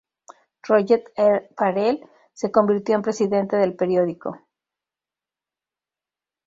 Rodger E. Farrell se convirtió en presidente del periódico.